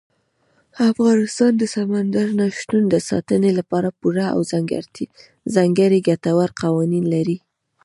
افغانستان د سمندر نه شتون د ساتنې لپاره پوره او ځانګړي ګټور قوانین لري.